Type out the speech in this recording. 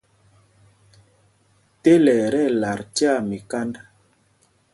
Tela ɛ tí ɛlat tyaa míkānd.